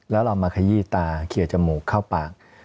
แล้วเรามาขยี้ตาเคลียร์จมูกเข้าปาก